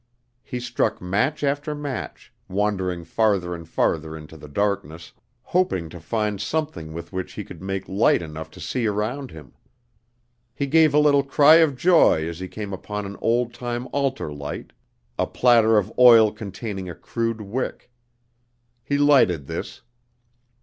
He struck match after match, wandering farther and farther into the darkness, hoping to find something with which he could make light enough to see around him. He gave a little cry of joy as he came upon an old time altar light a platter of oil containing a crude wick. He lighted this.